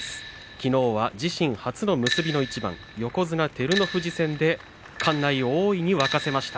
きのうは自身初の結びの一番横綱照ノ富士戦で館内を大いに沸かせました。